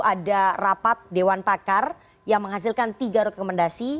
ada rapat dewan pakar yang menghasilkan tiga rekomendasi